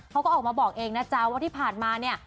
เขาก็ออกมาบอกเองนะจ๊ะว่าที่ผ่านมาเนี่ย